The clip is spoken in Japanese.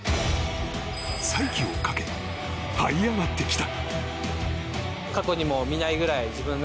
再起をかけはい上がってきた。